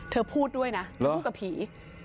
เธอพูดด้วยนะแล้วพูดกับผี